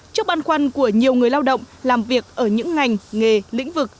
trước băn khoăn của nhiều người lao động làm việc ở những ngành nghề lĩnh vực